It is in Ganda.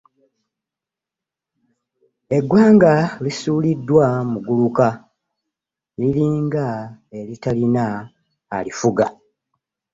eggwaga lisuliddwa mu guluka liringa eritarina alifuga